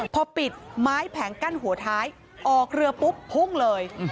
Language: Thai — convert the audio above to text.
พอปิดไม้แผงกั้นหัวท้ายออกเรือปุ๊บพุ่งเลย